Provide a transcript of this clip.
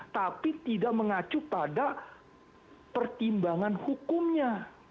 tapi tidak mengacu pada pertimbangan hukumnya